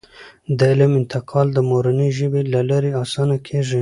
د علم انتقال د مورنۍ ژبې له لارې اسانه کیږي.